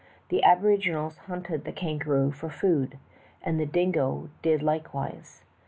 The aboriginals hunted the kangaroo for food, and the dingo did like wise.